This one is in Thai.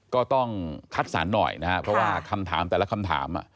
ก็ต้องคัดสรรหน่อยนะครับเพราะว่าคำถามแต่ละคำถาม